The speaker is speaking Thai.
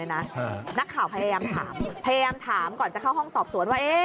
นักข่าวพยายามถามก่อนจะเข้าห้องสอบสวนว่า